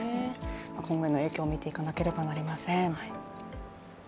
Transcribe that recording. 今後への影響を見ていかなければなりません。